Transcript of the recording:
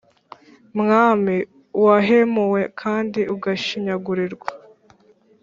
Mwami wahemuwe kandi ugashinyagurirwa